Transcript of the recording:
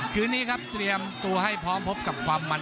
คืนนี้ครับเตรียมตัวให้พร้อมพบกับความมัน